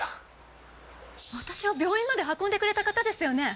私を病院まで運んでくれた方ですよね？